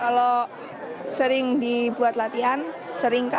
kalau sering dibuat latihan sering kak